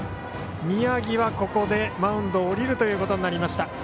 宮城は、ここでマウンドを降りるということになりました。